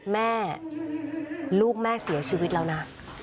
แม่ลูกแม่เสียชีวิตแล้วนะ